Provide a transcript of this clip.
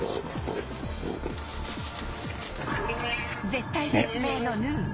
絶体絶命のヌー